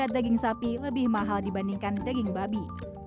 daging sapi lebih mahal dibandingkan daging babi